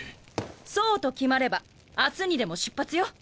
そうと決まれば明日にでも出発よ。